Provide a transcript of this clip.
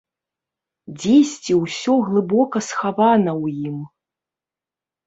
Дзесьці ўсё глыбока схавана ў ім.